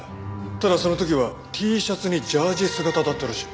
ただその時はＴシャツにジャージー姿だったらしい。